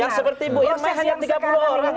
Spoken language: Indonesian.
yang seperti ibu hemas yang tiga puluh orang